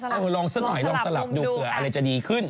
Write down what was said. ลองซะหน่อยลองสลับดูเผื่ออะไรจะดีขึ้น